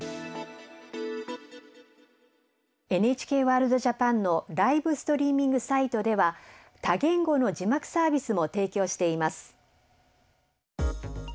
「ＮＨＫワールドＪＡＰＡＮ」のライブストリーミングサイトでは多言語の字幕サービスも提供しています。